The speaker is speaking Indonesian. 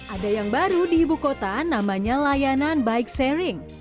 ada yang baru di ibu kota namanya layanan bike sharing